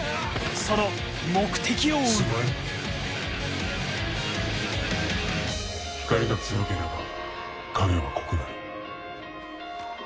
その目的を追う光が強ければ影は濃くなる。